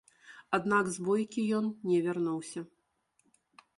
Аднак з бойкі ён не вярнуўся.